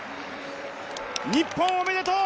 日本、おめでとう！